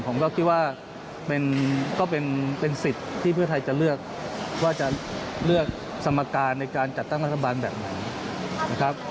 ผมก็คิดว่าก็เป็นสิทธิ์ที่เพื่อไทยจะเลือกว่าจะเลือกสมการในการจัดตั้งรัฐบาลแบบไหนนะครับ